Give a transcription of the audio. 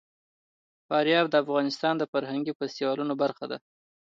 فاریاب د افغانستان د فرهنګي فستیوالونو برخه ده.